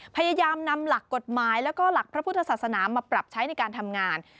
พยายามนำหลักกฎหมายแล้วก็หลักพระพุทธศาสนามาปรับใช้ในการทำงาน